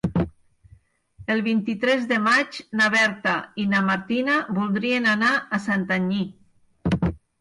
El vint-i-tres de maig na Berta i na Martina voldrien anar a Santanyí.